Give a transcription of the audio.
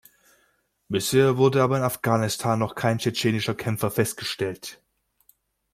Bisher wurde aber in Afghanistan noch kein tschetschenischer Kämpfer festgestellt.